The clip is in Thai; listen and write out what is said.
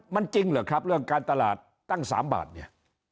มันจริงเหรอครับเรื่องการตลาดตั้ง๓บาทเนี่ย